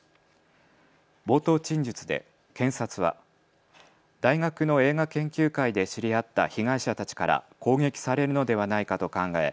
冒頭陳述で検察は大学の映画研究会で知り合った被害者たちから攻撃されるのではないかと考え